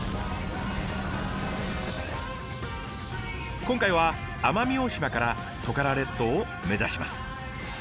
今回は奄美大島からトカラ列島を目指します。